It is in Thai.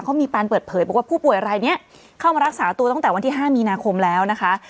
เขามีการเปิดเผยบอกว่าผู้ป่วยรายนี้เข้ามารักษาตัวตั้งแต่วันที่๕มีนาคมแล้วนะคะ